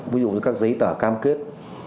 ví dụ như các giấy tờ cam kết